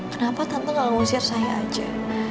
kenapa tante gak ngusir saya aja